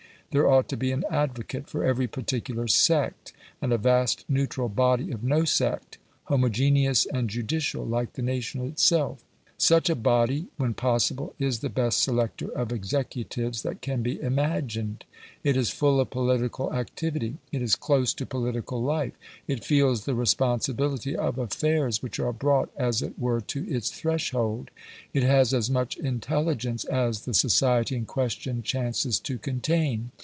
There ought to be an advocate for every particular sect, and a vast neutral body of no sect homogeneous and judicial, like the nation itself. Such a body, when possible, is the best selector of executives that can be imagined. It is full of political activity; it is close to political life; it feels the responsibility of affairs which are brought as it were to its threshold; it has as much intelligence as the society in question chances to contain.